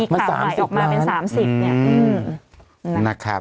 มัน๓๐ล้าน